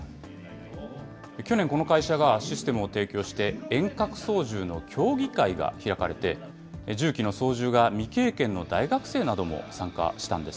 去年、この会社がシステムを提供して、遠隔操縦の競技会が開かれて、重機の操縦が未経験の大学生なども参加したんです。